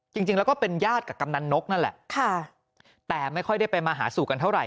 จริงแล้วก็เป็นญาติกับกำนันนกนั่นแหละค่ะแต่ไม่ค่อยได้ไปมาหาสู่กันเท่าไห